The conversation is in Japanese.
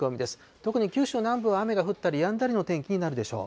特に九州南部は雨が降ったりやんだりの天気になるでしょう。